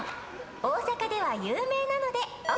大阪では有名なのでＯＫです。